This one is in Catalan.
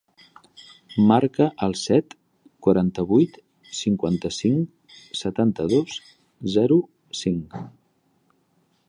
Marca el set, quaranta-vuit, cinquanta-cinc, setanta-dos, zero, cinc.